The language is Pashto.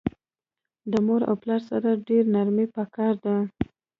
د مور او پلار سره ډیره نرمی پکار ده